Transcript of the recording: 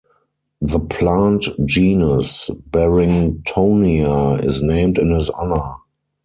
The plant genus "Barringtonia" is named in his honour.